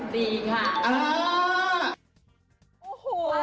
ดีค่ะ